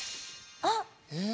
あっ！え。